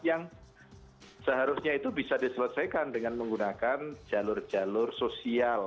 yang seharusnya itu bisa diselesaikan dengan menggunakan jalur jalur sosial